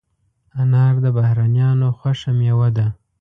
انار د بهرنیانو خوښه مېوه ده.